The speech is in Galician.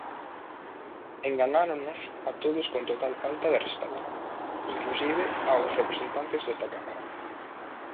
Enganáronnos a todos con total falta de respecto, inclusive aos representantes desta Cámara.